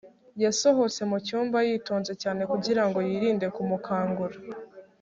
yasohotse mucyumba yitonze cyane kugirango yirinde kumukangura